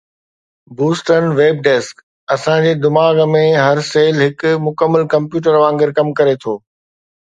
Boston web desk اسان جي دماغ ۾ هر سيل هڪ مڪمل ڪمپيوٽر وانگر ڪم ڪري ٿو